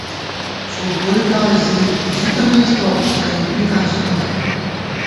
فُک گوئیکاں زی ژِتَنَئیس بہ، شہید بِکاں ژِتَنَئیم